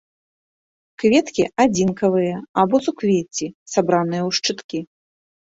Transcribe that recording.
Кветкі адзінкавыя або суквецці, сабраныя ў шчыткі.